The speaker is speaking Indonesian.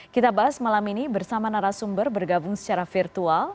kita bahas malam ini bersama narasumber bergabung secara virtual